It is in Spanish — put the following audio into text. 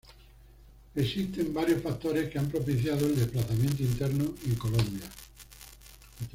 Existen varios factores que han propiciado el desplazamiento interno en Colombia.